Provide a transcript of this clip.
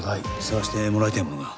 探してもらいたいものが。